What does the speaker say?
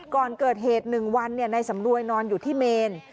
ก่อนเกิดเหตุ๑วันนายสำรวยนอนอยู่ที่เมน